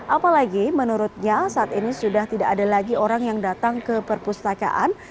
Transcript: apalagi menurutnya saat ini sudah tidak ada lagi orang yang datang ke perpustakaan